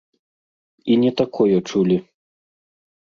І не такое чулі.